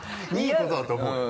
いいことだと思うよ。